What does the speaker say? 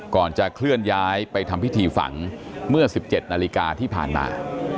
ก่อนจะเคลื่อนย้ายไปทำพิธีฝังเมื่อ๑๗นาฬิกาที่ผ่านมา